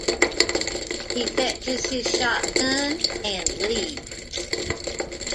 He fetches his shotgun and leaves.